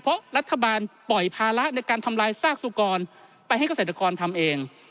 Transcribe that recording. เพราะรัฐบาลปล่อยภาระในการทำลายซากสุกรไปให้เกษตรกรทำเอง